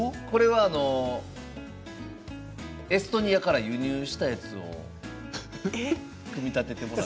これはエストニアから輸入したやつを組み立てて。